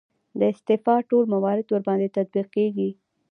د استعفا ټول موارد ورباندې تطبیق کیږي.